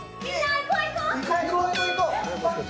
行こう行こう！